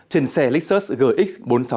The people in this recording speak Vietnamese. trên xe lexus gx bốn trăm sáu mươi